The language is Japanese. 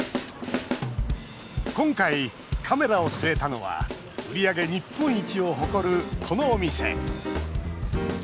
今回、カメラを据えたのは売り上げ日本一を誇る、このお店。